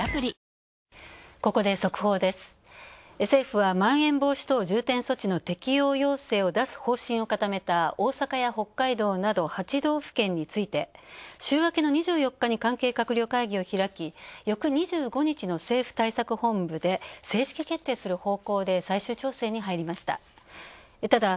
政府は、まん延防止等重点措置の適用要請を出す方針を固めた大阪や北海道など８道府県について週明けの２４日に関係閣僚会議を開き、翌２５日の政府対策本部で正式決定する方向で最終調整に入りました。